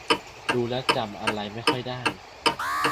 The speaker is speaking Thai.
ดูแล้วจำอะไรไม่ค่อยได้